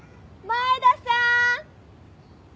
前田さーん！